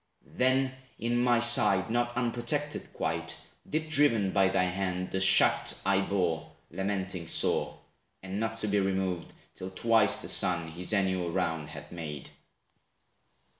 Then in my side, not unprotected quite, Deep driven by thy hand, the shaft I bore, Lamenting sore; and not to be removed, Till twice the sun his annual round had made.